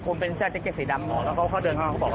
ถือไหมเลขที่ไหน